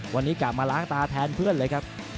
วันนี้กลับมาล้างตาแทนเพื่อนเลยครับ